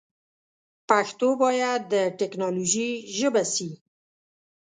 پښتو باید د ټیکنالوژي ژبه سی.